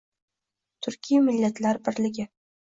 turkiy millatlar birligi